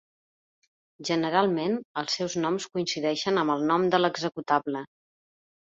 Generalment, els seus noms coincideixen amb el nom de l'executable.